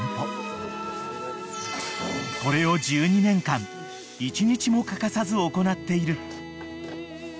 ［これを１２年間１日も欠かさず行っている］